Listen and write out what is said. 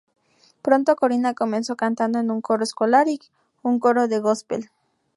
Pronto Corinna comenzó cantando en un coro escolar y un coro de gospel.